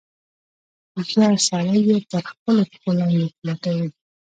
هوښیار سړی یې تر خپلو پښو لاندې لټوي.